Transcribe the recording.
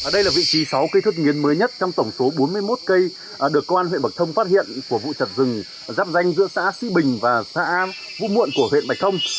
đây là vị trí sáu cây thấm mới nhất trong tổng số bốn mươi một cây được công an huyện bạch thông phát hiện của vụ chặt rừng giáp danh giữa xã sĩ bình và xã vũ muộn của huyện bạch thông